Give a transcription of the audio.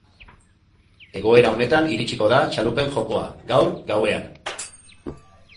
Egoera honetan iritsiko da txalupen jokoa, gaur gauean.